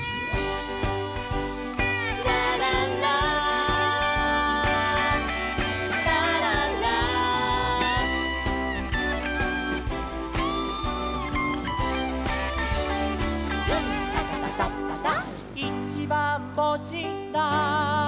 「ララララララ」「ズンタカタタッタッター」「いちばんぼしだ」